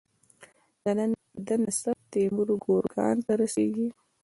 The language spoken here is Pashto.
د ده نسب تیمور ګورکان ته رسیږي.